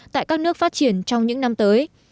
tại các nước phát triển trong những năm tới